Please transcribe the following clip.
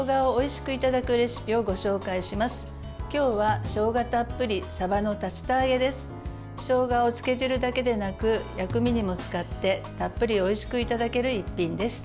しょうがを漬け汁だけでなく薬味にも使ってたっぷりおいしくいただける一品です。